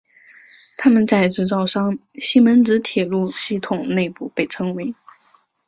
它们在制造商西门子铁路系统内部被称为。